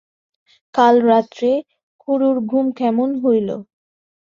কাল রাত্রে খুড়োর ঘুম কেমন হইল?